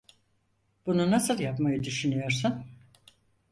Bunu nasıl yapmayı düşünüyorsun?